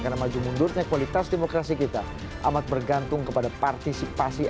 karena maju mundurnya kualitas demokrasi kita amat bergantung kepada partisipasi